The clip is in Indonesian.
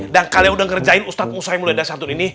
kalian udah ngerjain ustadz yang mulai dari santun ini